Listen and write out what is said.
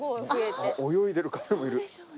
泳いでるカメもいる。